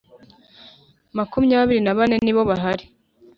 Makumyabiri n ‘abane nibo bahari.